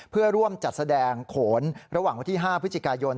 เพื่อร่วมจัดแสดงโขนระหว่างวันที่๕พฤศจิกายน